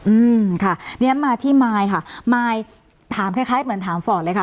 อืมค่ะเนี้ยมาที่มายค่ะมายถามคล้ายคล้ายเหมือนถามฟอร์ดเลยค่ะ